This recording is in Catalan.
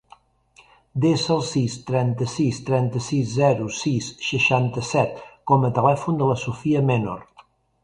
Desa el sis, trenta-sis, trenta-sis, zero, sis, seixanta-set com a telèfon de la Sophia Menor.